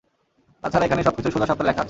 তাছাড়া, এখানে সবকিছু সোজা সাপটা লেখা আছে।